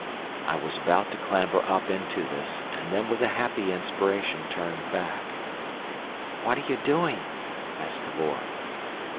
I was about to clamber up into this, and then with a happy inspiration turned back. "What are you doing?" asked Cavor.